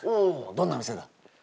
どんな店だ？